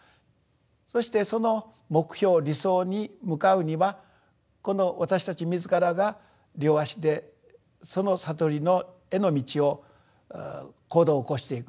そしてその目標理想に向かうにはこの私たち自らが両足でその悟りへの道を行動を起こしていく。